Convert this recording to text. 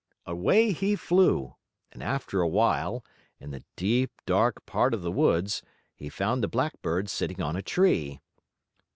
Away he flew, and, after a while, in the deep, dark part of the woods he found the blackbird, sitting on a tree.